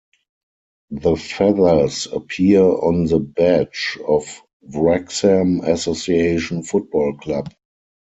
The feathers appear on the badge of Wrexham Association Football Club.